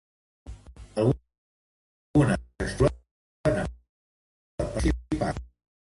Algunes de les cròniques es titulen amb el nom del personatge principal.